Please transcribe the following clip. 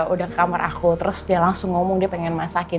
udah ke kamar aku terus dia langsung ngomong dia pengen masakin